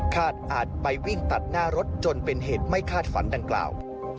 อาจไปวิ่งตัดหน้ารถจนเป็นเหตุไม่คาดฝันดังกล่าว